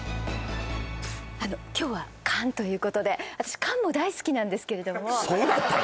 あの今日は缶ということで私缶も大好きなんですけれどもそうだったの？